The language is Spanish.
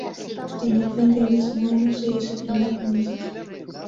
En el fin del mismo año, se hizo primer ministro.